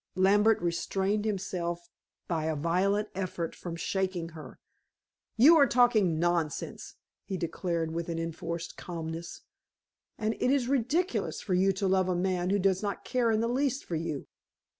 Lambert restrained himself by a violent effort from shaking her. "You are talking nonsense," he declared with enforced calmness. "And it is ridiculous for you to love a man who does not care in the least for you."